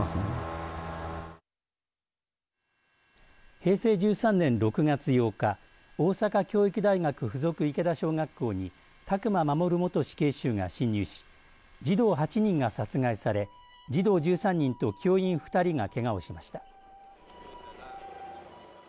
平成１３年６月８日大阪教育大学附属池田小学校に宅間守元死刑囚が侵入し児童８人が殺害され児童１３人と教員２人がけがをしました。